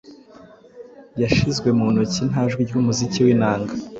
Yashizwe mu ntoki nta jwi ryumuziki winanga